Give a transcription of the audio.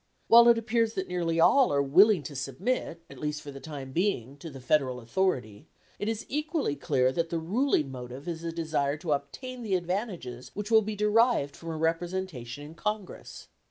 While it appears that nearly all are willing to submit, at least for the time being, to the Federal authority, it is equally clear that the ruling motive is a desire to obtain the advantages which will be derived from a representation in Congress.